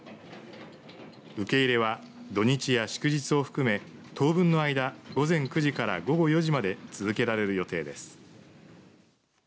受け入れは土日や祝日を含め当分の間午前９時から午後４時まで続けられる予定です。